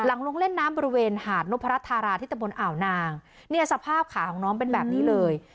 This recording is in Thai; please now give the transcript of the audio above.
ลงเล่นน้ำบริเวณหาดนพรัชธาราที่ตะบนอ่าวนางเนี่ยสภาพขาของน้องเป็นแบบนี้เลย